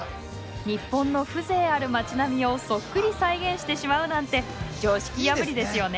日本の風情ある町並みをそっくり再現してしまうなんて常識破りですよね。